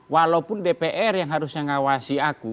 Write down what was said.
walaupun dpr yang harusnya ngawasi aku